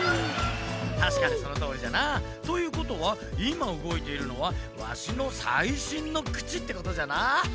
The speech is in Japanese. たしかにそのとおりじゃな。ということはいまうごいているのはワシのさいしんのくちってことじゃな！